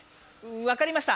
わかりました。